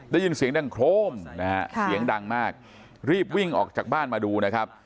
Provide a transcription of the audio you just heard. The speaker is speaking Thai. ได้ยินเสียงดังโครมนะฮะเสียงดังมากรีบวิ่งออกจากบ้านมาดูนะครับ